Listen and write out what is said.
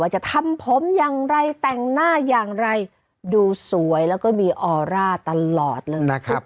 จะทำผมอย่างไรแต่งหน้าอย่างไรดูสวยแล้วก็มีออร่าตลอดเลยนะครับ